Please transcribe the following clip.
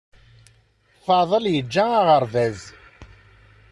Faḍel yeǧǧa aɣerbaz